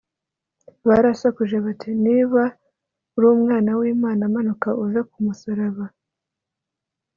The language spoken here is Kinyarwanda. barasakuje bati, “niba uri umwana w’imana, manuka uve ku musaraba”